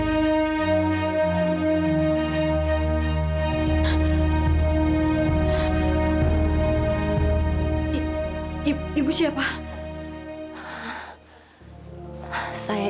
anda bukan ibu saya